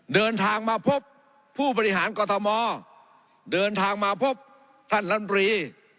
เดินทางมาพบผู้บริหารกรทมเดินทางมาพบท่านลำตรี